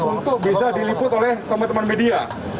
untuk bisa diliput oleh teman teman media